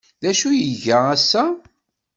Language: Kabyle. D acu ay iga ass-a?